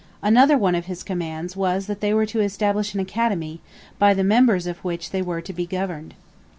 Another one of his commands was that they were to establish an Academy, by the members of which they were to be governed.